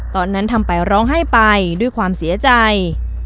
ตอนนั้นทำไปร้องไห้ไปด้วยความเสียใจ